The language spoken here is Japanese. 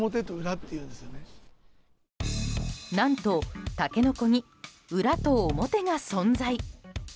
何とタケノコに裏と表が存在。